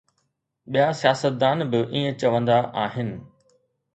ٻيا سياستدان به ائين چوندا آهن.